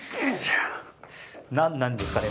何なんですかね？